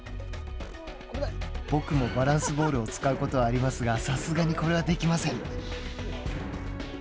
僕もバランスボールを使うことはありますがさすがにこれはできません。